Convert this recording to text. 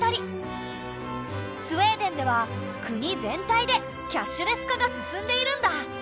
スウェーデンでは国全体でキャッシュレス化が進んでいるんだ。